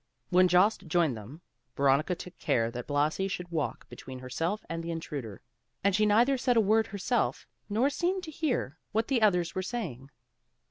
When Jost joined them, Veronica took care that Blasi should walk between herself and the intruder, and she neither said a word herself, nor seemed to hear what the others were saying.